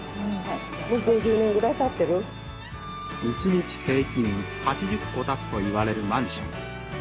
１日平均８０戸建つといわれるマンション。